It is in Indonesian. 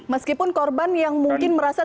meskipun korban yang mungkin merasa